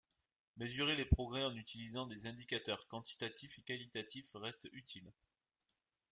Mesurer les progrès en utilisant des indicateurs quantitatifs et qualitatifs reste utile.